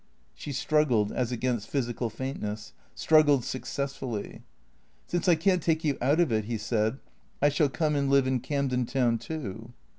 She struggled as against physical faintness, struggled success fully. " Since I can't take you out of it," he said, " I shall come and live in Camden Town too."